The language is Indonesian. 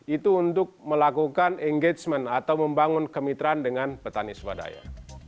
itu untuk melakukan engagement atau membangun kemitraan dengan petani swadaya